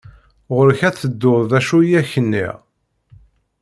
Ɣur-k ad tettuḍ d acu i ak-nniɣ.